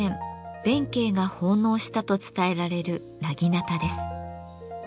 弁慶が奉納したと伝えられる薙刀です。